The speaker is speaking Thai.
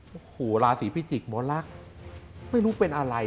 โอ้โหราศีพิจิกษ์หมอลักษณ์ไม่รู้เป็นอะไร